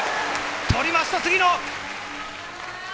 とりました、杉野。